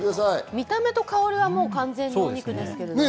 見た目と香りは完全にお肉です。